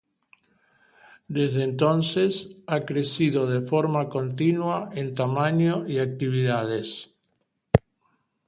Desde entonces, ha crecido de forma continua en tamaño y actividades.